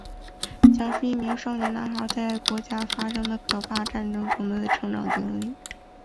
讲述一名少年男孩在国家发生的可怕战争中的成长经历。